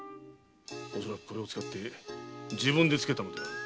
おそらくこれを使って自分でつけたのであろう。